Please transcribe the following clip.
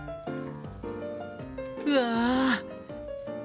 うわ！